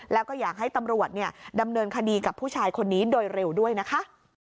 แล้วก็อยากให้ตำรวจดำเนินคดีกับผู้ชายคนนี้โดยเร็วด้วยนะคะ